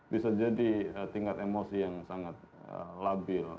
bisa jadi tingkat emosi yang sangat labil